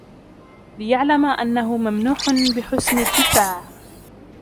لِيَعْلَمَ أَنَّهُ مَمْنُوحٌ بِحُسْنِ الدِّفَاعِ